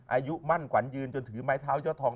อายุมั่นขวัญยืนจนถือไม้เท้ายอดทอง